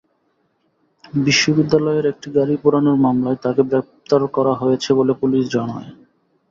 বিশ্ববিদ্যালয়ের একটি গাড়ি পোড়ানোর মামলায় তাঁকে গ্রেপ্তার করা হয়েছে বলে পুলিশ জানায়।